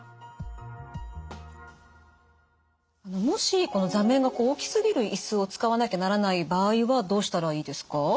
もし座面が大きすぎるイスを使わなきゃならない場合はどうしたらいいですか？